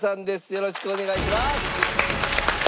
よろしくお願いします。